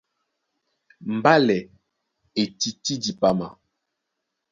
Mbálɛ e tití dipama.